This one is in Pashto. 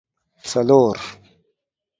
څلور